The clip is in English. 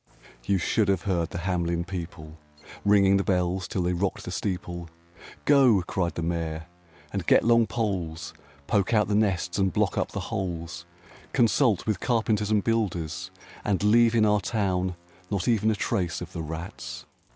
[113 RAINBOW GOLD VIII Yoli should have heard the Hamelin people Ringing the bells till they rocked the steeple; "Go," cried the Mayor, "and get long poles! Poke out the nests and block up the holes ! Consult with carpenters and builders, And leave in our town not even a trace Of the rats!"